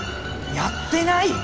・やってない！